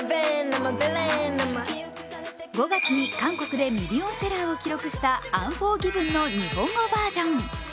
５月に韓国でミリオンセラーを記録した「ＵＮＦＯＲＧＩＶＥＮ」の日本語バージョン。